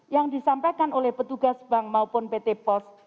yang disampaikan oleh petugas bank maupun pt pos